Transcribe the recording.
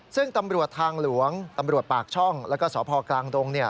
ซึ่งตำรวจทางหลวงตำรวจปากช่องแล้วก็สพกลางดง